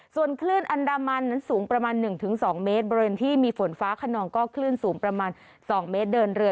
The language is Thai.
ส่วนคลื่นอันดามันนั้นสูงประมาณ๑๒เมตรบริเวณที่มีฝนฟ้าขนองก็คลื่นสูงประมาณ๒เมตรเดินเรือ